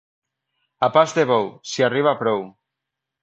A pas de bou, s'hi arriba prou.